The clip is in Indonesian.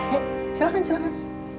eh silahkan silahkan